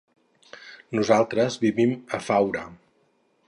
Nosaltres vivim a Faura.